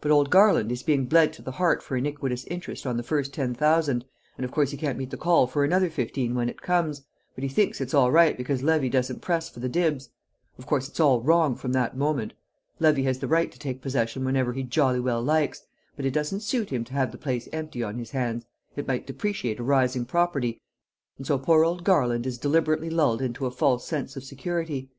But old Garland is being bled to the heart for iniquitous interest on the first ten thousand, and of course he can't meet the call for another fifteen when it comes; but he thinks it's all right because Levy doesn't press for the dibs. Of course it's all wrong from that moment. Levy has the right to take possession whenever he jolly well likes; but it doesn't suit him to have the place empty on his hands, it might depreciate a rising property, and so poor old Garland is deliberately lulled into a false sense of security.